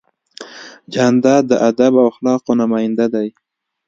جانداد د ادب او اخلاقو نماینده دی.